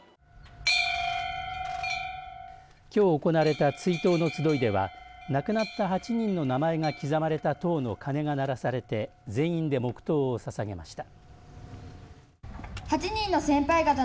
きょう行われた追悼の集いでは亡くなった８人の名前が刻まれた塔の鐘が鳴らされて全員で黙とうをささげました。